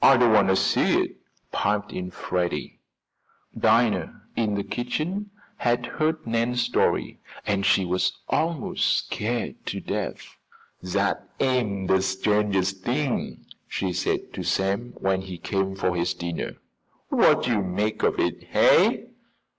"Don't want to see it," piped in Freddie. Dinah, in the kitchen, had heard Nan's story and she was almost scared to death. "Dat am de strangest t'ing," she said to Sam, when he came for his dinner. "Wot yo' make of it, hey?"